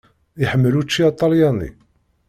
Iḥemmel učči aṭelyani.